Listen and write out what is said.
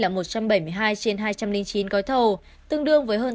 là một trăm bảy mươi hai trên hai trăm linh chín gói thầu tương đương với hơn tám mươi hai